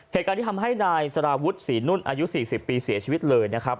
เหตุการณ์ที่ทำให้นายสารวุฒิศรีนุ่นอายุ๔๐ปีเสียชีวิตเลยนะครับ